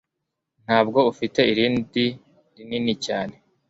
Ntabwo ufite irindi rinini cyane